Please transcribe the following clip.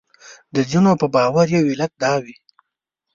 د ځینو په باور یو علت دا وي.